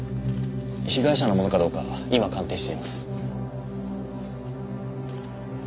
被害者のものかどうか今鑑定しています。